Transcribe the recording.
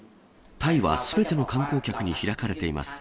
タイはすべての観光客に開かれています。